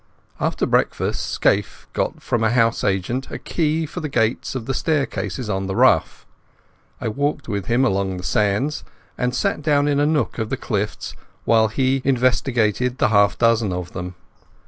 After breakfast Scaife got from a house agent a key for the gates of the staircases on the Ruff. I walked with him along the sands, and sat down in a nook of the cliffs while he investigated the half dozen of them.